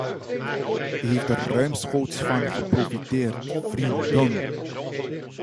U heeft er ruimschoots van geprofiteerd, vrienden!